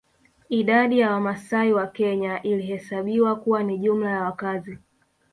Idadi ya Wamasai wa Kenya ilihesabiwa kuwa ni jumla ya wakazi